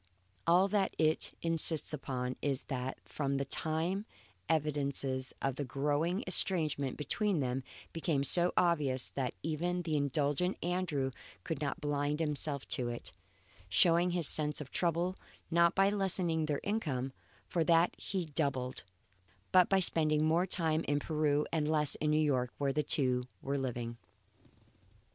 All that it insists upon is that from this time evidences of a growing estrangement between them became so obvious that even the indulgent Andrew could not blind himself to it; showing his sense of trouble, not by lessening their income, for that he doubled, but by spending more time in Peru and less in New York where the two were living.